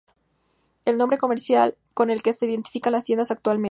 El nombre comercial con el que se identifican las tiendas actualmente.